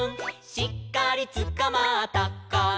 「しっかりつかまったかな」